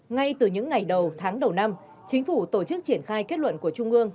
ngay từ những ngày đầu tháng đầu năm chính phủ tổ chức triển khai kết luận của trung ương